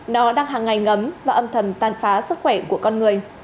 nó đang hàng ngày ngấm và âm thầm tàn phá sức khỏe của con người